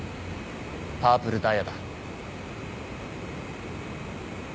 パープルダイヤだ。